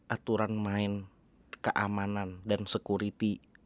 aturan main keamanan dan security